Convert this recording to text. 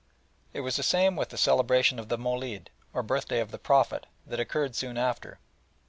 It was the same with the celebration of the Molid, or birthday of the Prophet, that occurred soon after.